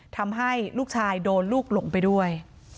ทำให้ลูกชายโดนลูกหลงไปด้วย